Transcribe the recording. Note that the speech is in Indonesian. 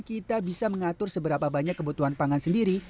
kita bisa mengatur seberapa banyak kebutuhan pangan sendiri